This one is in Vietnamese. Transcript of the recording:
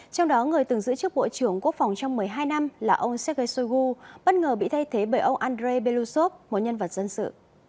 trong đó người từng giữ chức bộ trưởng quốc phòng trong một mươi hai năm là ông sergei shoigu bất ngờ bị thay thế bởi ông andrei belousov một nhân vật dân sự